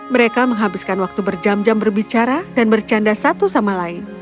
mereka menghabiskan waktu berjam jam berbicara dan bercanda satu sama lain